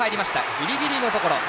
ギリギリのところ。